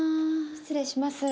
失礼します